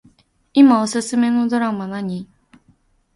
いまおすすめのドラマ何